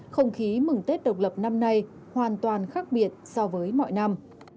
không khí mừng tết độc lập năm nay hoàn toàn khác biệt so với mọi năm